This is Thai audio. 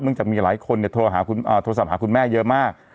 จากมีหลายคนโทรศัพท์หาคุณแม่เยอะมาก